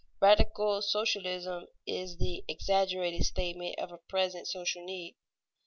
Radical socialism is the exaggerated statement of a present social need.